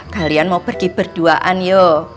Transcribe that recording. kalian mau pergi berduaan yuk